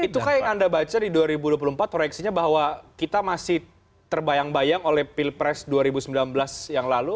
itukah yang anda baca di dua ribu dua puluh empat proyeksinya bahwa kita masih terbayang bayang oleh pilpres dua ribu sembilan belas yang lalu